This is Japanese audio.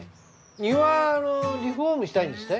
庭リフォームしたいんですって？